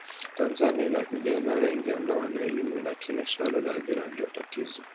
Tanzania ina vijana wengi ambao wanaelimu lakini Suala la ajira Ndio tatizo